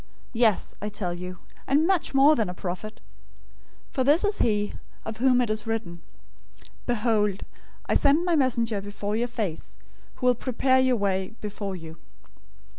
Yes, I tell you, and much more than a prophet. 011:010 For this is he, of whom it is written, 'Behold, I send my messenger before your face, who will prepare your way before you.'